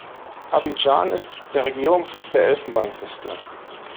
Abidjan ist der Regierungssitz der Elfenbeinküste.